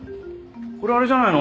これあれじゃないの？